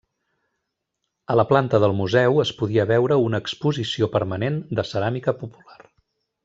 A la planta del museu es podia veure una exposició permanent de ceràmica popular.